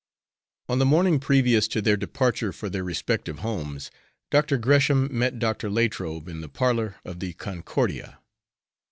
On the morning previous to their departure for their respective homes, Dr. Gresham met Dr. Latrobe in the parlor of the Concordia.